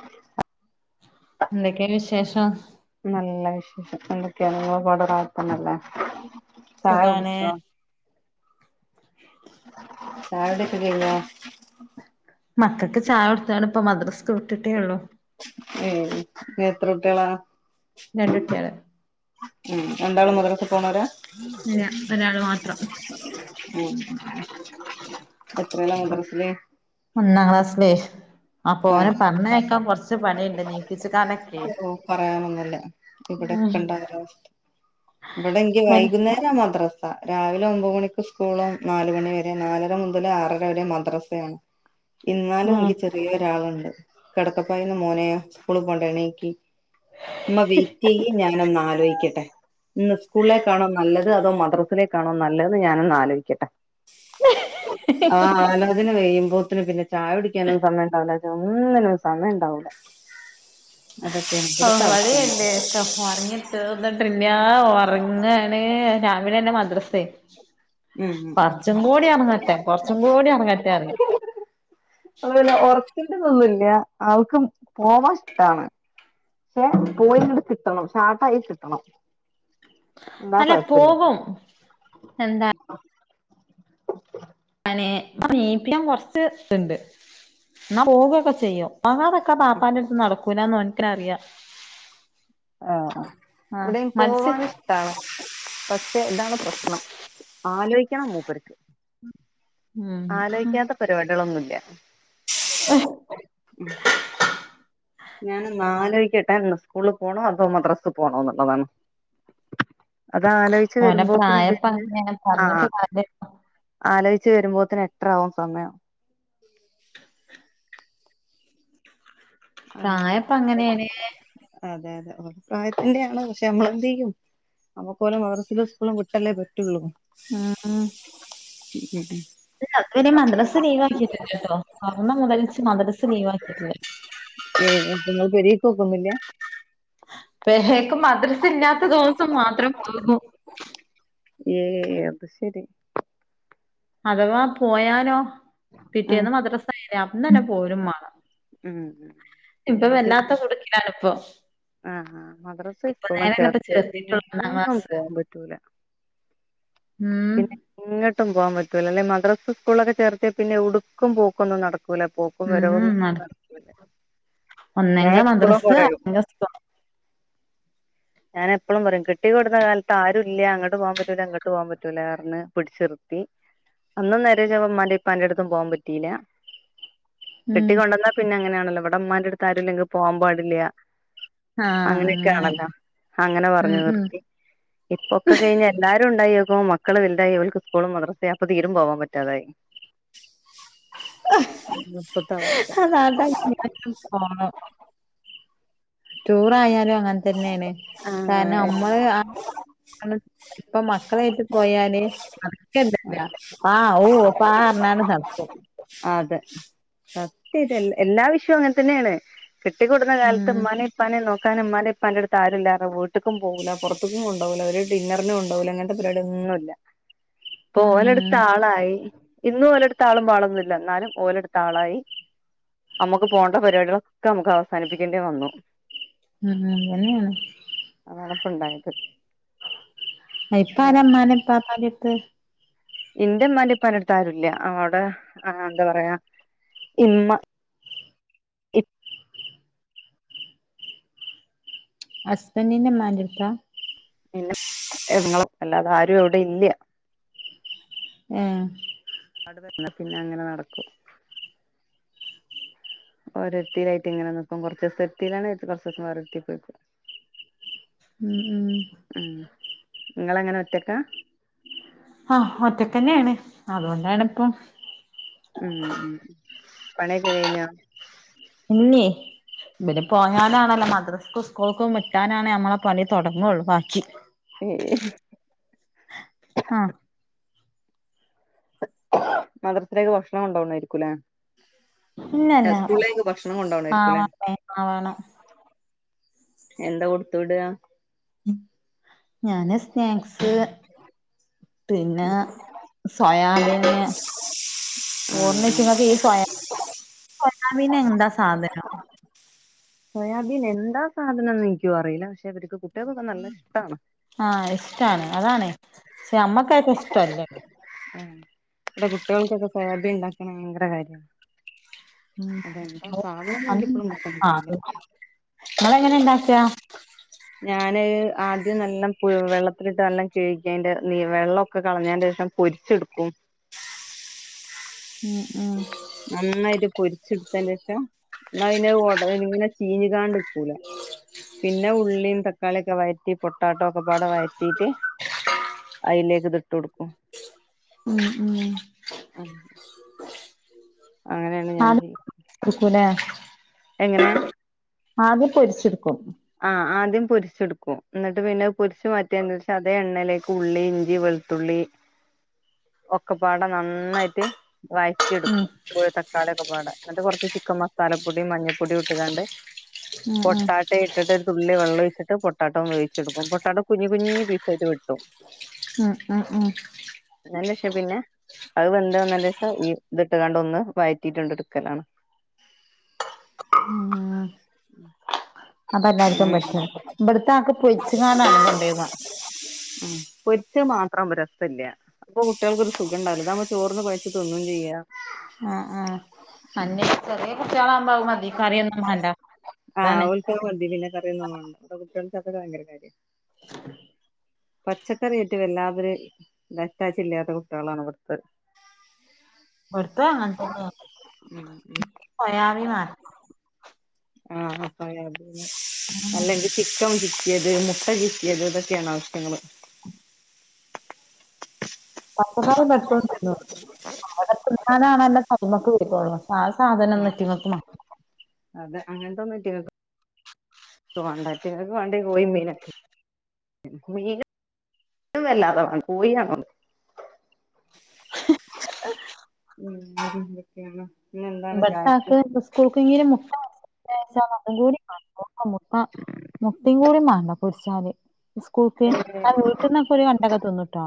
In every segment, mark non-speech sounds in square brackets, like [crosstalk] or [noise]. ഹും എന്തൊക്കെയ വിശേഷം നല്ല വിശേഷം എന്തൊക്കെയ പാട്റഹ ത്തന്നല്ലേ ചായ സുഖാണ് കുടിച്ചോ ചായകുടി ഒക്കെ കഴിഞ്ഞോ? മക്കൾക്ക് ചായ കൊടുത്താണ് ഇപ്പ മദ്രസ്ക്ക് വിട്ടിട്ടേ ഉള്ളു എത്ര കുട്ടിയാള്ള രണ്ടുട്ടിആൾ രണ്ടാളും മദ്രസ പോണല്ലാ? അല്ല ഒരാള് മാത്രം. ഉ എത്രല്ല മദ്റസയിൽ? ഒന്നാം ക്ലാസ്സിലേ അപ്പൊ ആഹ് ഓനെ പറഞ്ഞയക്കാൻ കൊറച്ച് പണിയുണ്ട് നീപ്പിച്ചുകാനൊക്കെ ഓ പറയാനൊന്നുമല്ല ഉം ഇവിടോക്കെ ഇണ്ട ഒരവസ്ഥ ഇവിടെ എങ്ക ഓന് വൈകുന്ന രാവിലെ ഒമ്പത് മണിക്ക് സ്കൂളും നാലുമണി വരെ നാലര മുതൽ ആറര വരെ മദ്രാസയാണ് ആഹ ഇന്നാലും ഉം എനിക്ക് ചെറിയ ഒരാളുണ്ട്. കിടക്കപ്പായൽന്ന് മോനെ സ്കൂൾ പൊണ്ടണീക്ക് ഉമ്മ വെയിറ്റ് ചെയ്യ ഞാന ഒന്ന് ആലോചിക്കട്ടെ ഇന്ന് സ്കൂളിലേക്കാണോ നല്ലത്. അതോ മദ്രാസിലേക്കാണോ നല്ലത് ഞാന ഒന്ന് ആലോചിക്കട്ടെ. ആലോചന പിന്നെ ചായ കുടിക്കാനൊന്നും സമയം ഉണ്ടാവില്ല ഒന്നിനും സമയം ഉണ്ടാവൂില്ല അതന്നെ ഇവിടെത്താവസ്ഥ ഇവിടെയുണ്ട് ഒക്കെ ഉറങ്ങി തീർന്നിട്ടില്ല ഉറങ്ങാണ്. രാവിലെയാണ് മദ്രസ ഉം കൊറച്ചും കൂടി ഉറങ്ങട്ടെ പറയും അല ഉറക്കണ്ടന്നൊന്നുമല്ല അവൾക്കും പോവാൻ ഇഷ്ടാണ് പക്ഷെ പോയിട് കിട്ടണം ഷാർട്ടായി കിട്ടണം എന്താ അല്ല കൊഴപ്പില്ല പോകും എന്താ ഹും അനെ നീപ്പിക്കാൻ കൊറച്ച് ഇത് ഇണ്ട്. എന്നാ പോകൊക്കെ ചെയ്യും അ അതൊക്കെ പാപ്പാന്റെ അടുത്ത് നടക്കൂലന്ന് എനിക്കന അറിയാം ആഹ ആ ഇവിടയും പോവാൻ പക്ഷെ ഇതാണ് പ്രശ്നം ആലോചിക്കണം മൂപ്പർക്ക്. ഉം ആലോയ്ക്കാത്ത പരിപാടികളൊന്നുല്ല എഹ് ഞാനൊന്ന് ആലോയ്ക്കട്ടെ ഇന്ന് സ്കൂൾള് പോണോ അതോ മദ്രാസിൽ പോണോന്നുള്ളതാണ് അതാലോയ്ച്ച് ഓലെ വരുമ്പോക്കിന് പ്രായപ്പ പിന്നെ അങ്ങനെയാണ് പറഞ്ഞിട്ട് ആഹ് കാര്യല്ല ആലോയ്ച്ച് വരുമ്പോത്തിന് എട്ടരാവും സമയം അങ്ങനെ പ്രായപ്പങ്ങനേണ് അതെ അതെ ആ പ്രായത്തിന്റെയാണ് പക്ഷേ നമ്മളെന്തെയ്യും നമുക്കോലെ മദ്രസിലും സ്കൂളിലും വിട്ടല്ലേ പറ്റുള്ളൂ ഉം. ഉം ഉം ഉം ഇല്ല ഇത് വരീം മദ്രസ്സ് ലീവ്ക്കിയിട്ടില്ലട്ടോ അന്ന് മുതൽച്ച് മദ്രസ് ലീവ് ആക്കിയിട്ടില്ല ഏ ഏ നിങ്ങള് പെരക്കോക്കൊന്നില്ല പഹേക്ക് മദ്രസ ഇല്ലാത്ത ദിവസം മാത്രം പോകൂ ഏ അത് ശരി അതവാ പോയാനോ ഉം പിറ്റേന്ന് മദ്രസ ആയില്ലേ അന്നന്നെ പോരും മാണം ഉം ഇപ്പ വല്ലാത്ത കുട്ക്കിലാണ്പ്പൊ ആഹ് മദ്രസി സ്കൂളിലും ചേർത്യ പിന്നെ ചേർത്തിട്ടുള്ളൂ ഒന്നാം എങ്ങും ക്ലാസ് പോവാപറ്റൂല ഉം എങ്ങട്ടും പോവാൻ പറ്റൂലല്ലോ മദ്രസി സ്കൂൾലൊക്കെ ചേർത്ത്യ പിന്നെ എവ്ടുക്കും പോക്കൊന്നും നട ക്കൂല പോക്കും വരവൊന്നും നട ഒന്നങ്കി എപ്പളും മദ്രസ്സ് പറയും. അല്ലെങ്കി സ്കൂള് ഞാനപ്പളും പറിം കെട്ടിക്കൊട്ന്ന കാൽത്ത് ആരുല്ല അങ്ങ്ട്ട് പോവാൻ പറ്റൂല്ല ഇങ്ങ്ട്ട് പോവാൻ പറ്റൂല റ്റുലാർന്ന് പിടിച്ചിർത്തി അന്നും നേരെ ചൊവ്വെ ഉമ്മാന്റെ ഇപ്പാന്റെട്ത്തും പോവാൻ പറ്റീല്ല ഉം കെട്ടിക്കൊണ്ടന്നാ പിന്നങ്ങനാണല്ലൊ ഇവടെ ഇമ്മന്റട്ത്ത് ആരുല്ലെങ്കി പോവാൻ പാടില്ല ആഹ് അങ്ങനെ അങ്ങനെക്കാണല്ലൊ അങ്ങനെ ഉം പറഞ്ഞ് ഉം നിർത്തി. ഇപ്പൊക്കെ കെഴിഞ്ഞ് എല്ലാരുണ്ടായോ ഇപ്പൊ മക്കള് വൽതായി ഓൽക്ക് സ്കൂളു മദ്രസി അപ്പൊ തീരും പോവാ പറ്റാതായി ഉം ഇപ്പത്തെ അവസ്ഥ അതാടാങ്ങനെ പോണം ടൂറായാലും അങ്ങൻതന്നേണ് കാര്ണം ആഹ് അമ്മള് ആഹ് ഇപ്പ മക്കളേറ്റ് പോയാല് [unintelligible] ആഹ് ഓ പാ ആർഞ്ഞാണ്ട് നടക്കും അതെ സത്യായ്ട്ടും എല്ലാ വിഷയൊ അങ്ങൻതന്നേണ് കെട്ടിക്കൊട്ന്ന കാൽത്ത് ഉം ഇമ്മാനെ ഇപ്പാനെ നോക്കാന് മ്മാന്റെ ഇപ്പാന്റെ അടുത്ത് ആരുല്ലാറ്ഞ്ഞ് വീട്ട്ക്കും പോവൂല്ല പൊറ്ത്ത്ക്കും കൊണ്ടോവൂല്ല അവര് ഡിന്നറിന് കൊണ്ടോവൂല്ല ഇങ്ങനെ ആ പരിപാടി ഒന്നുല്ല. ഇപ്പ ഉം ഓലടുത്താളായി ഇന്നും ഓലട്ത്ത് ആളും പാളൊന്നു ല്ല ന്നാലും ഓലട്ത്താളായി നമ്മക്ക് പോണ്ട പരിപാടിളൊക്കെ ഞമ്മക്ക് അവസാനിപ്പിക്കണ്ടിവന്നു ഉം അതെന്നേണ് അതാണ്പ്പണ്ടായത് ഇപ്പാരാ മ്മാന്റി ഇപ്പാപ്പന്റിട്ത്ത് ഇന്റമ്മാന്റി ഇപ്പാന്റട്ത്താരുല്ല. അവടെ ആഹ് ന്താപറയാ ഇമ്മ ഇപ് ഹസ്ബന്റിന്റെ ഇമ്മാന്റട്ത്താ പിന്നെ എങ്ങളും അല്ലാതാരു അവടെ ഇല്ല്യ ഏ [unintelligible] പിന്നെ അങ്ങന നടക്കും ഒരോര്ത്തീലായ്ട്ട്ങ്ങനെ നിക്കും കൊറ്ച്ചീസത്തിനാണെ കൊറ്ച്ചീസം വേറൊര്ത്തി പോയി നിക്കും ഉം ഉം ഉം ഇങ്ങെളങ്ങനെ ഒറ്റക്കാ ആഹ് ഒറ്റൊക്കന്നേണ് അതോണ്ടാണിപ്പൊ ഉം ഉം പണിയൊകെ കഴിഞ്ഞോ ഇല്ല്യെ ഇബല് പോയാലാണലൊ മദ്രസ്ക്കും സ്കൂൾക്കും വിട്ടാലാണ് ഞമ്മളെ പണി തൊടങ്ങൊള്ളു ബാക്കി ഏഹ് ആഹ് മദ്രർസ് ലേക്ക് ഭക്ഷ്ണം കൊണ്ടോണയ്ക്കുലേ സ്കൂൾലേക്ക് ഭക്ഷ്ണം കൊണ്ടോണർക്കുലെ എ വേണം എന്ത കൊട്ത്ത് വിട ഞാന് സ്നാക്സ്, പിന്നാ സൊയാബീന് ആഹ് [unintelligible] ആഹ് സൊയ സൊയാബീന് എന്ത സാധനം സൊയാബീൻ എന്താ സാധനംന്ന് ഇൻക്കും അറീല്ല പക്ഷെ ഇവർക്ക് കുട്ടികൾക്കൊക്കെ നല്ല ഇഷ്ടാണ് ആഹ് ഇഷ്ടാണ് അതാണ് പക്ഷെ ഞമ്മക്കാർകും ഇഷ്ടല്ല ആ ഇവിടെ കുട്ടികൾക്കൊക്കെ സൊയാബീൻ ഉണ്ടാക്കണ ഭയങ്കര കാര്യാ അതെന്താ സാധനം ഇൻക്ക് ഉം ഇപ്പോഴും പുട്ത്തം കിട്ടീയില്ല ഇങ്ങളെങ്ങനെ ഇണ്ടാക്ക ഞാന് അഹ് ആദ്യം നല്ല പുഴു വെള്ളത്തിലിട്ട് നല്ല കഴുകതിന്റെ നീ വെള്ളമൊക്കെ കളഞ്ഞതിന്റെ ശേഷം പൊരിച്ചെടുക്കും ഉം ഉം നന്നായിട്ട് പൊരിച്ചെടുത്തന് ശേഷം എന്നാ പിന്നെ ഓട ചീഞ്ഞ് കാണ്ട് നിക്കൂലാ പിന്നെ ഉള്ളിയും തക്കാളിയൊക്കെ വയറ്റി പൊട്ടറ്റോ ഒക്കെപാടെ വയറ്റിയിട്ട് അതിലേക്ക് ഇതിട്ട് കൊടുക്കും ഉം ഉം ആ അങ്ങനെയാണ് ഞാൻ ചെയ്യാ ക്കൂലെ ആദ്യം പൊരിച്ചിടുക്കും ആ ആദ്യം പൊരിച്ചെടുക്കും എന്നിട്ട് പിന്നെ പൊരിച്ച് മാറ്റിയാണ്ട് എന്ത് അതേ എണ്ണയിലേക്ക് ഉള്ളി, ഇഞ്ചി, വെളുത്തുള്ളി ഒക്കെപ്പാടെ നന്നായിട്ട് വായ റ്റി ഉം എടുക്കും തക്കാളി ഒക്കപ്പാടെ എന്നിട്ട് കുറച്ച് ചിക്കൻ മസാലപ്പൊടിയും, മഞ്ഞൾപ്പൊടിയും ഇട്ടുകാണ്ട് ഉം ഉം പൊട്ടാ റ്റൊ ഇട്ടിട്ട് ഒരു തുള്ളി വെള്ളം ഒഴിച്ചിട്ട് പൊട്ടാറ്റോ വേവിച്ചെടുക്കും പൊട്ടറ്റോ കുഞ്ഞ് കുഞ്ഞ് പീസായിട്ട് വെട്ടും ഉം ഉം ഉം എന്നതിന്റെ ശേഷം പിന്നെ അത് വെന്ത് വന്നതിന് ശേഷം ഈ ഇതിട്ടുകാണ്ട് ഒന്ന് വഴറ്റിയിട്ടാണ്ട് ഇടുക്കലാണ് ഉം അപ്പൊ എല്ലാർക്കും ഉം പറ്റോ ഇവിടത്തെ ആക്ക് പൊരിച്ചു കാണ്ടാണ് കൊണ്ട് പോക ഉം പൊരിച്ച മാത്രം രസല്ല അപ്പൊ കുട്ടികൾക്ക് ഒരു സുഖണ്ടാവില്ല ഇതാവുമോ ചോർന്ന് കൊഴച്ച് തിന്നും ചെയ്യാം ആ ആ അല്ലെങ്കിലും ചെറിയ കുട്ടികളാകുമ്പോ അത് മതി കറിയൊന്നും വേണ്ട അതാണ് [unintelligible] മതി പിന്നെ കറിയൊന്നും വേണ്ട കുട്ടികൾക്ക് അതൊക്കെ ഭയങ്കര കാര്യാ പച്ചക്കറായിറ്റും വല്ലാതെ ഒരു അറ്റാച്ച് ഇല്ലാത്ത കുട്ടികളാണ് ഇവിടുത്തത് ഇവിടുത്തെ അങ്ങനെ തന്നെ ഉം ഉം സോയാ മാ ആഹ് [unintelligible] അല്ലെങ്കിൽ ചിക്കൻ ചിക്കിയത് മുട്ട ചിക്കിയത് ഇതൊക്കെയാണ് ആവിശ്യങ്ങള് പച്ചക്കറി [unintelligible] തിന്നാനാണല്ലോ തടിമ്മക്ക് പിടിക്കുള്ളൂ ആ സാധനം ഒന്നും ഇറ്റങ്ങക്ക് മാ അതെ അങ്ങനത്തൊന്നും ഇറ്റിങ്ങക്ക് ക്ക് വേണ്ട ഈറ്റ്ങ്ങക്ക് മാണ്ടിയേ കോഴി മീനൊക്കെ മീനും വല്ലാതെ മാണ്ട കോഴി [unintelligible] ഉം [unintelligible] [unintelligible] പിന്നെന്താ ഇവിടുത്തെ ആക്ക് സ്കൂൾക്ക് ഇങ്ങനെ മുട്ട [unintelligible] ആഹ് മുട്ട മുട്ടേം കൂടി മാണ്ട പൊരിച്ചാല് ഉസ്കൂൾക്ക് വീട്ട്ന്നൊക്കെ ഒരു വേണ്ടൊക്കെ തിന്നുട്ടോ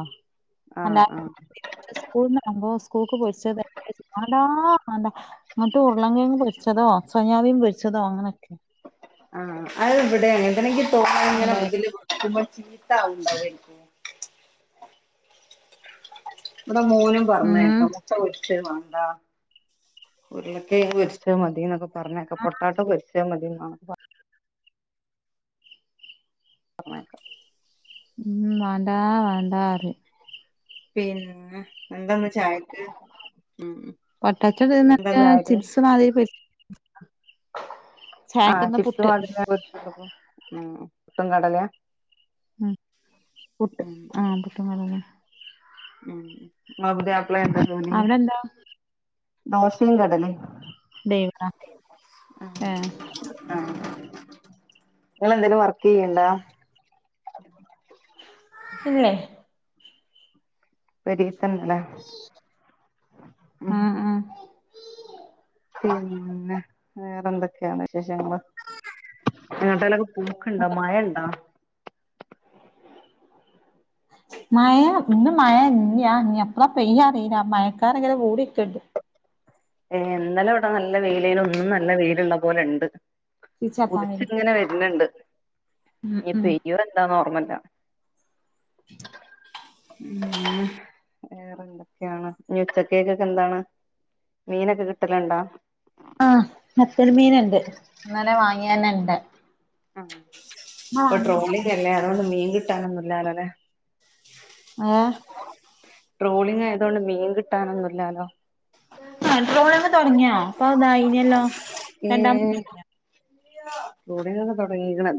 അല്ല ആഹ് ആഹ് [unintelligible] സ്കൂൾന്ന് അവുമ്പോ സ്കൂൾക്ക് പൊരിച്ചെ [unintelligible] മാണ്ടാ മാണ്ടാ ഇന്നട്ട് ഉരുളക്കെഴങ്ങ് പൊരിച്ചതോ സോയാബീൻ പൊരിച്ചതോ അങ്ങനൊക്കെ ആഹ് അത് ഇവിടെ അങ്ങനെത്തന്നെ ഇനിക്ക് തോന്നണത് ഇങ്ങനെ കൊണ്ടോവല് ഇതില് വെക്കുമ്പോ ചീത്താവുന്ന്ണ്ടാവായിരിക്കും ഇവിടെ മോനും ഉം പറഞ്ഞേക്കാം മുട്ട് മുട്ട പൊരിച്ചത് മാണ്ട ഉരുളക്കെഴങ്ങ് പൊരിച്ചത് മതീന്നൊക്കെ പറഞ്ഞേക്കാ പൊട്ടാറ്റോ പൊരിച്ചത് മതി ഉമ്മാ [unintelligible] പറഞ്ഞ കേക്കാം ഉം വേണ്ടാ വേണ്ടാ പറയും പിന്നെ എന്താ ഇന്ന് ചായക്ക് ഉം പൊട്ടറ്റോ [unintelligible] എന്താന്ന് ചിപ്സ് മാതിരി പൊരിച്ച് ആഹ് ചായക്ക്ന്ന് ചിപ്സ് പുട്ട് മാതിരി [unintelligible] ഉം പുട്ടും കടലയാ ഉം പുട്ട് ഉം ആഹ് പുട്ടും കടലേം ഉം ഉം ഇങ്ങളെ പുതിയാപ്പളക്ക് എന്താ ജോലി അവിടെ എന്താ ദോശയും കടലയും ഡെയിവറാ ഏഹ് ആഹ് ഇങ്ങളെന്തേലും വർക്ക് ചെയ്യണ്ടാ? ഇല്ലേ പെരിയത്തന്ന ല്ലേ ഉം ഉം പിന്നെ വേറെ എന്തൊക്കെയാണ് വിശേഷങ്ങള്? എങ്ങട്ടേലൊക്കെ പോക്കുണ്ടോ മഴ ഇണ്ടോ മഴ ഇന്ന് മഴ ഇന്നയാ ഇനി എപ്പളാ പെയ്യാ അറിയില്ല മഴക്കാറ്ങ്ങനെ മൂടിക്കെണ്ട് ഏഹ് ഇന്നലെ ഇവിടെ നല്ല വെയിലേനും ഇന്നും നല്ല വെയില്ള്ള പോലെ ഇണ്ട് ചീച്ചാത്താൻ ഉദിച്ച് വേണ്ടി ഇങ്ങനെ വെരുന്നുണ്ട് ഉം ഇനി ഉം പെയ്യോ എന്താ ഓർമ്മല്ല ഉം വേറെ എന്തൊക്കെയാണ് ഇനി ഉച്ചക്കേക്കൊക്കെ എന്താണ്? മീനൊക്കെ കിട്ടല്ണ്ടോ? ആഹ് നത്തൽ മീൻ ഇണ്ട് ഇന്നലെ വാങ്ങിയെന്നെ ഇണ്ട് ആഹ് ഇപ്പൊ അടച്ചിട്ടേര് ട്രോളിംഗല്ലേ അതുകൊണ്ട് മീൻ കിട്ടാനൊന്നു ഇല്ലാലോല്ലേ ഏഹ് ട്രോളിംഗായതുകൊണ്ട് മീൻ കിട്ടാനൊന്നു ഇല്ലാലോ ആഹ് ട്രോളിങ് തൊടങ്ങിയോ ഇപ്പൊ അതായിനിയല്ലോ രണ്ടാമത്ത് ട്രോളിങ്ങക്കൊ തൊടങ്ങീക്കണ്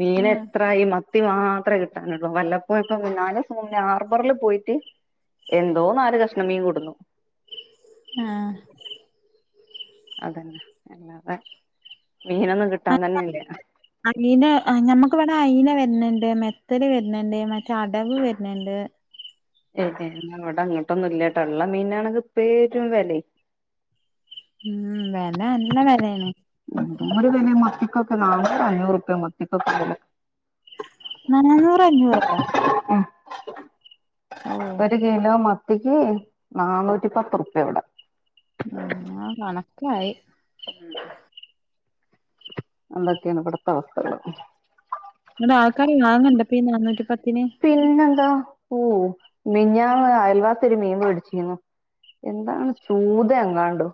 മീന് ആഹ് എത്രായി മത്ത് മത്തി മാത്രേ കിട്ടാനുള്ളൂ വല്ലപ്പോഴും ഇപ്പ മൂന്നാല് ദിവസം മുന്നേ ഹാർബറിൽ പോയിട്ട് എന്തോ നാല് കഷ്ണം മീൻ കൊടുന്നു ആഹ് അതന്നെ അല്ലാതെ മീനൊന്നും കിട്ടാൻ തന്നെല്ല ആ മീന് ഞമ്മക്ക് ഇവിടെ അയില വെരുന്നുണ്ട് മെത്തല് വെരുന്നുണ്ട് മറ്റെ അടവ് വെരുന്നുണ്ട് ഏഹ് ഏഹ് ഇന്നാ ഇവിടെ ഇങ്ങട്ടൊന്നും ഇല്ലട്ടാ ഇള്ള മീനാണെങ്ക് പെരും വെലേം ഉം വെല നല്ല വെലയാണ് ഉം ഏന്തോരു വെലയാ മത്തിക്കൊക്കെ നാന്നൂറ് അഞ്ഞൂറ് ഉറുപ്യ മത്തിക്കൊക്കെ വെല നനാന്നൂർ അഞ്ഞൂറോ ഓഹ് ഒരു കിലോ മത്തിക്ക് നന്നൂറ്റി പത്തുർപ്യ ഇവ്ടെ ആഹ് കണക്കായി ഉം ഉ അതെക്കേണ് ഇബട്ത്തെ അവസ്ഥകള് ഇന്നട്ട് ആൾക്കാര് വാങ്ങ്ണ്ടപ്പൊ ഈ നാനൂറ്റി പത്തിന് പിന്നെന്താ ഓ മിഞ്ഞാന്ന് അയൽവാസി ഒരു മീൻ വേടിച്ചീന്നു എന്താണ് ചൂത എങ്ങാണ്ടോ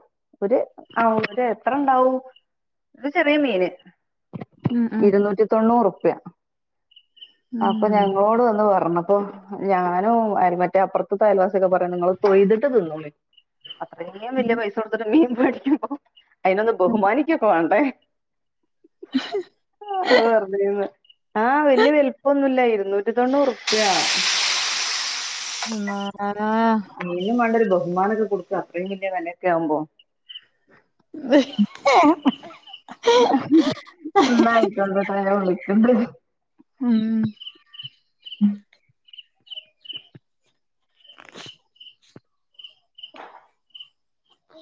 ഒര് അഹ് എത്ര ഇണ്ടാവും ഇത് ചെറിയ മീന് ഉം ഉം ഇരുന്നൂറ്റി തൊണ്ണൂറുപ്യ അപ്പൊ ഞ ന്നോട് വന്ന് പറഞ്ഞപ്പൊ ഞാനും അ മറ്റേ അപ്പർത്ത്ത്തെ അയൽവാസിയൊക്കെ പറയാണ് ഇങ്ങള് തൊയ്തിട്ട് തിന്നോളിം അത്രീം വെല്യ പൈസ കൊടുത്ത്ട്ട് മീൻ വേടിക്കുമ്പോ അയിനൊന്ന് ബഹുമാനിക്കൊക്കെ വാണ്ടേ അ വെർ ആഹ് വല്യ വൽപ്പൊമൊന്നുല്ല ഇരുന്നൂറ്റി തൊണ്ണൂറുപ്പിയ ന്ന ആ മീനും വാണ്ടെ ഒര് ബഹുമാനൊക്കെ കൊടുക്കാ അത്രയും വെല്യ വെലയൊക്ക്യവുമ്പൊ വ് ഇന്നാ അയ്കൊട്ടെട്ടൊ ഞാ വിളിക്കണ്ട് ഉം [inaudible] [inaudible]